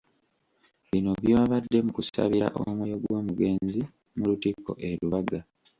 Bino byabadde mu kusabira omwoyo gw'omugenzi mu lutikko e Lubaga.